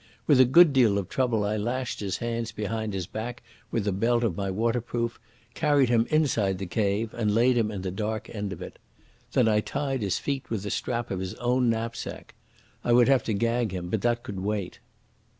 With a good deal of trouble I lashed his hands behind his back with the belt of my waterproof, carried him inside the cave and laid him in the dark end of it. Then I tied his feet with the strap of his own knapsack. I would have to gag him, but that could wait.